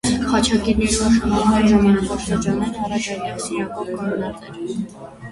Խաչակիրներու արշավանքներու ժամանակաշրջանէն առաջ այդտեղ սինակոկ կանգնած էր։